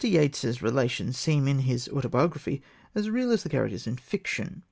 Yeats's relations seem in his autobiography as real as the characters in fiction.